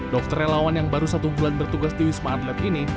dokter relawan yang baru satu bulan bertugas di wisma atlet ini